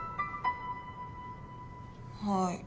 はい。